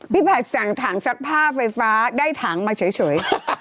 ผัดสั่งถังซักผ้าไฟฟ้าได้ถังมาเฉย